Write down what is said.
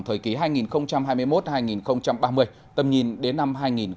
thời kỳ hai nghìn hai mươi một hai nghìn ba mươi tầm nhìn đến năm hai nghìn năm mươi